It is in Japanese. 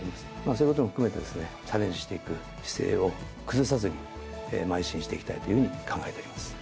そういうことも含めてですねチャレンジしていく姿勢を崩さずにまい進していきたいというふうに考えております。